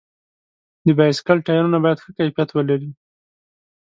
د بایسکل ټایرونه باید ښه کیفیت ولري.